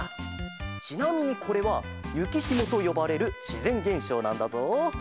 ちなみにこれはゆきひもとよばれるしぜんげんしょうなんだぞ。